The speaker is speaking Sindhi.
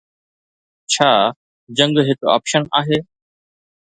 ڇا جنگ هڪ آپشن آهي؟